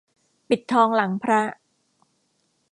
ปิดทองหลังพระ